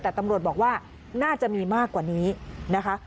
แต่ตำรวจบอกว่าน่าจะมีมากกว่านี้นะคะ